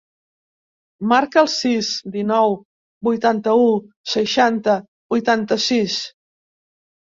Marca el sis, dinou, vuitanta-u, seixanta, vuitanta-sis.